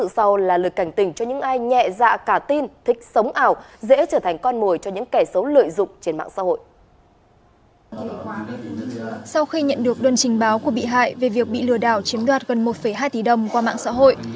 sau khi nhận được đơn trình báo của bị hại về việc bị lừa đảo chiếm đoạt gần một hai tỷ đồng qua mạng xã hội